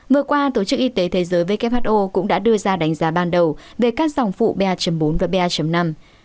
vừa qua tổ chức y tế thế giới who cũng đã đưa ra đánh giá ban đầu về các dòng phụ ba bốn và ba năm